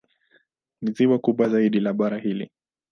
Ni ziwa kubwa zaidi la bara hili.